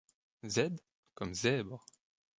Z comme zèbre